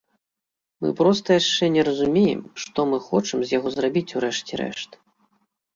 Мы проста яшчэ не разумеем, што мы хочам з яго зрабіць у рэшце рэшт.